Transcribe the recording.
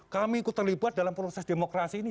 kami ikut terlibat dalam proses demokrasi ini